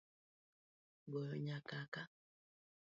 Goyo nyakaka